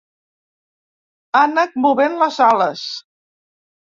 Ànec movent les ales.